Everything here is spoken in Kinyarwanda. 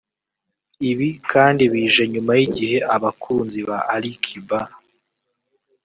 Ibi kandi bije nyuma y’igihe abakunzi ba Ali Kiba